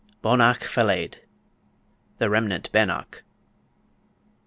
BONNACH FALLAIDH. (THE REMNANT BANNOCK.)